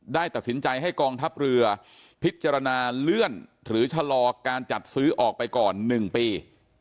ได้ตัดสินใจให้กองทัพเรือพิจารณาเลื่อนหรือชะลอการจัดซื้อออกไปก่อน๑ปี